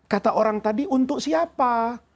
kata orang tadi untuk siapa